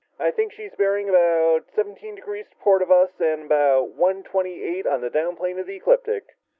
"I think she's bearing about seventeen degrees to port of us, and about one twenty eight on the down plane of the ecliptic."